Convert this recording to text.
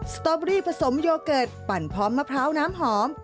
สตอเบอรี่ผสมโยเกิร์ตปั่นพร้อมมะพร้าวน้ำหอม